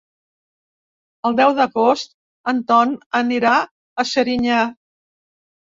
El deu d'agost en Ton anirà a Serinyà.